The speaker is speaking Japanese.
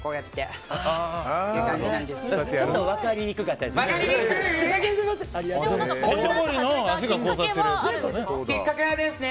ちょっと分かりにくかったですね。